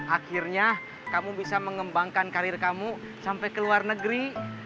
akhirnya kamu bisa mengembangkan karir kamu sampai ke luar negeri